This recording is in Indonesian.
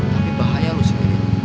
tapi bahaya lu sendiri